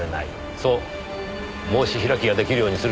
そう申し開きができるようにするためでしょう。